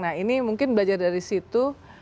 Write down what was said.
nah ini mungkin belajar dari situ